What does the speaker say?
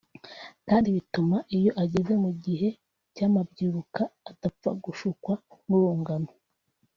kandi bituma iyo ageze mu gihe cy’amabyiruka adapfa gushukwa n’urungano